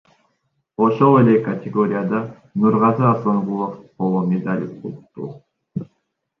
Ошол эле категорияда Нургазы Асангулов коло медаль утту.